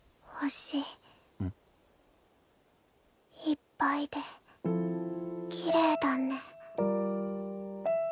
いっぱいできれいだね。